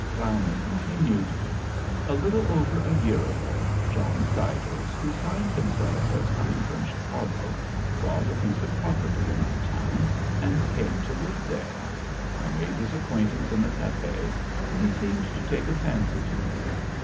Graumann continued: "A little over a year ago, John Siders, who signed himself as coming from Chicago, bought a piece of property in our town and came to live there. I made his acquaintance in the cafe and he seemed to take a fancy to me.